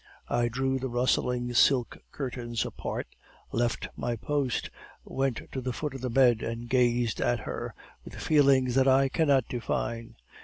I drew the rustling silk curtains apart, left my post, went to the foot of the bed, and gazed at her with feelings that I cannot define.